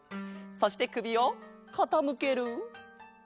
そしてくびをかたむける。